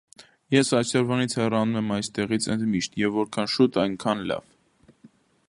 Ես այսօրվանից հեռանում եմ այստեղից ընդմիշտ և որքան շուտ, այնքան լավ: